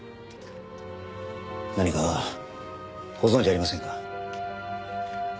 何かご存じありませんか？